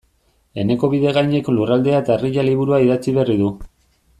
Eneko Bidegainek Lurraldea eta Herria liburua idatzi berri du.